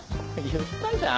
言ったじゃん。